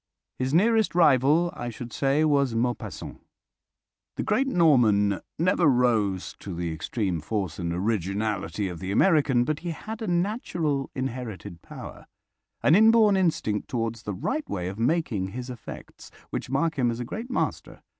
His nearest rival, I should say, was Maupassant. The great Norman never rose to the extreme force and originality of the American, but he had a natural inherited power, an inborn instinct towards the right way of making his effects, which mark him as a great master.